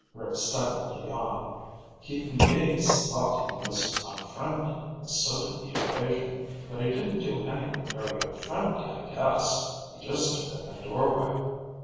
Rick stifled a yawn. "Keaton Yeats thought he was unfriendly, and so did the Eurasian. But he didn't do anything very unfriendly, I guess. He just stood in a doorway."